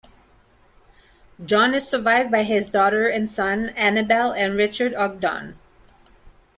John is survived by his daughter and son, Annabel and Richard Ogdon.